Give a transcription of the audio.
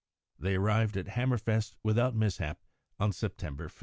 They arrived at Hammerfest without mishap on September 5.